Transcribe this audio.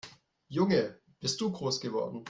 Junge, bist du groß geworden!